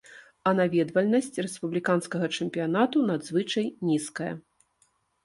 А наведвальнасць рэспубліканскага чэмпіянату надзвычай нізкая.